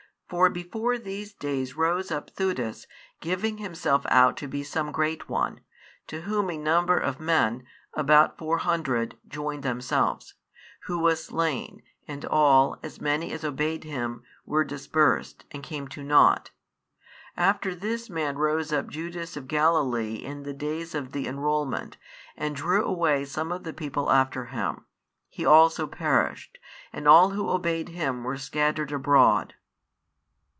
For before these days rose up Theudas, giving himself out to be some great one; to whom a number of men, about four hundred, joined themselves: who was slain; and all, as many as obeyed him, were dispersed, and came to naught. After this man rose up Judas of Galilee in the days of the enrolment, and drew away some of the people after him: he also perished; and all who obeyed him were scattered abroad.